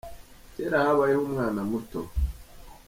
Kera habayeho umwanamuto.